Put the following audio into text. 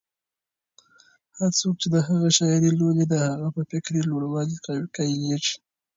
هر څوک چې د هغه شاعري لولي، د هغه په فکري لوړوالي قایلېږي.